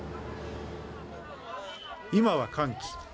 今は乾期。